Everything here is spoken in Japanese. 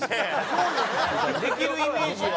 できるイメージよ。